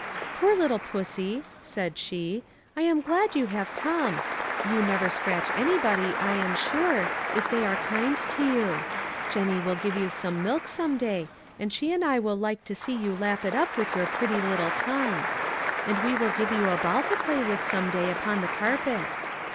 "Poor little pussy," said she, "I am glad you have come. You never scratch any body, I am sure, if they are kind to you. Jennie will give you some milk some day, and she and I will like to see you lap it up with your pretty little tongue. And we will give you a ball to play with some day upon the carpet.